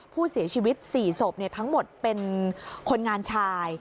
ผู้เสียชีวิต๔ศพทั้งหมดเป็นคนงานชาย